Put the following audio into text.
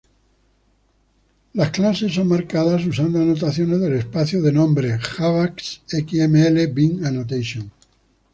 Las clases son marcadas usando anotaciones del espacio de nombres javax.xml.bind.annotation.